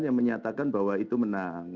yang menyatakan bahwa itu menang